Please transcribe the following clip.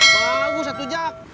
bagus atu jak